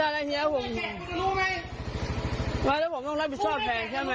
แล้วใครรับผิดชอบหรอครับ